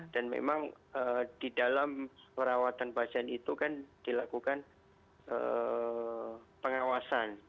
dan memang di dalam perawatan pasien itu kan dilakukan pengawasan